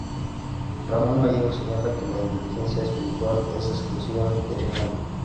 Ramón Gallegos señala que la inteligencia espiritual es exclusivamente humana.